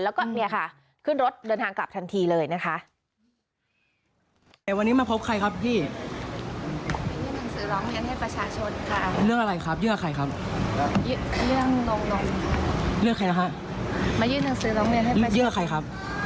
แล้วก็เนี่ยค่ะขึ้นรถเดินทางกลับทันทีเลยนะคะ